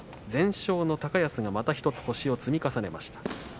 全勝の高安がまた１つ積み重ねました。